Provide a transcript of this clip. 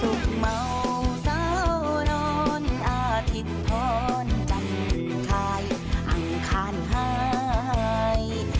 เมาสาวนอนอาทิตย์พรจำทายอังคารหาย